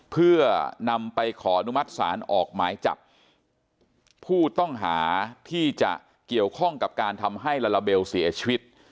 เพื่อนำไปขออนุมัติศาลออกหมายจับผู้ต้องหาที่จะเกี่ยวข้องกับการทำให้ลาลาเบลเสียชีวิต